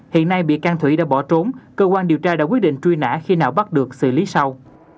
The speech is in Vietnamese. hiện nay bị can thủy đã bỏ trốn cơ quan điều tra đã quyết định truy nã khi nào bắt được xử lý sau